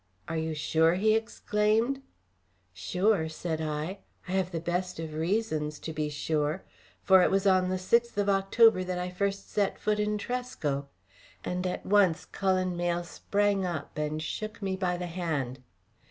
"Are you sure?" he exclaimed. "Sure?" said I. "I have the best of reasons to be sure; for it was on the sixth of October that I first set foot in Tresco," and at once Cullen Mayle sprang up and shook me by the hand.